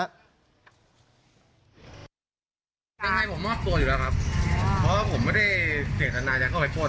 นายผมมอบตัวอยู่แล้วครับเพราะว่าผมไม่ได้เจตนาจะเข้าไปโทษ